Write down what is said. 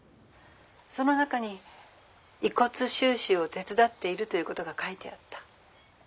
☎その中に遺骨収集を手伝っているということが書いてあった。